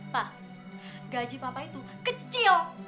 pak gaji papa itu kecil